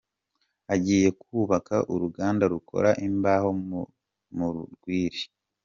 Agiye kubaka uruganda rukora imbaho mu rwiri.